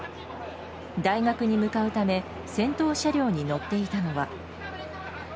大学に向かうため先頭車両に乗っていたのが。